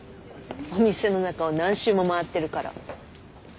お店の中を何周も回ってるから。